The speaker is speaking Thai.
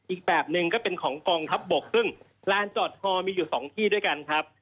อีกแบบหนึ่งก็เป็นของกองทัพบกซึ่งลานจอดคอมีอยู่สองที่ด้วยกันครับ